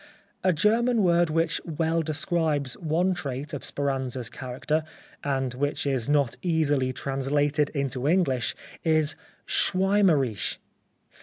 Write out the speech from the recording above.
\ German word which well describes one trait of Speranza's character, and which is not easily translated into English, is Schwaermerisch.